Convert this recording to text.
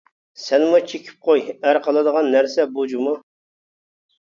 -سەنمۇ چېكىپ قوي، ئەر قىلىدىغان نەرسە بۇ جۇمۇ.